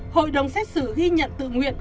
hội đồng xét xử ghi nhận tự nguyện